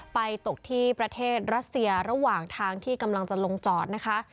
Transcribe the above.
ตกที่ประเทศรัสเซียระหว่างทางที่กำลังจะลงจอดนะคะ